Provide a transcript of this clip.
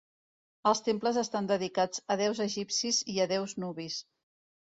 Els temples estan dedicats a déus egipcis i a déus nubis.